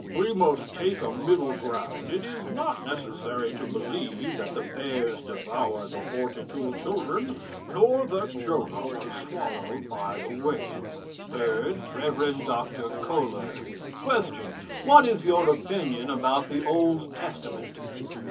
"We must take a middle ground. It is not necessary to believe that the bears devoured the forty two children, nor that Jonah was swallowed by the whale." THIRD, REV. DR. KOHLER. Question. What is your opinion about the Old Testament?